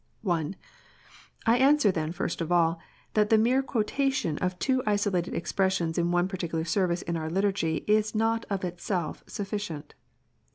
I. I answer then, first of all, that the mere quotation of two isolated expressions in one particular service in our Liturgy is not of itself sufficient.